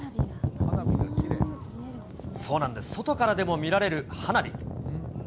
そうなんです、外からでも見られる花火。